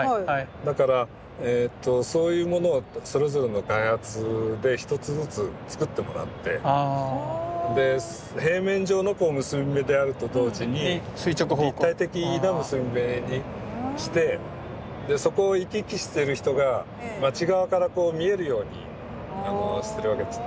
だからそういうものをそれぞれの開発で一つずつつくってもらってで平面上の結び目であると同時に立体的な結び目にしてそこを行き来している人が街側からこう見えるようにするわけですね。